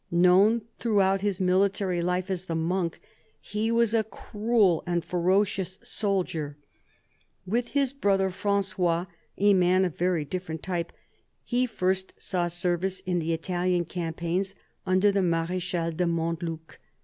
Known throughout his military life as " the Monk," he was a cruel and ferocious soldier. With his brother Fran9ois, a man of very diff'erent type, he first saw service in the Italian campaigns under the Mar6chal de Montluc.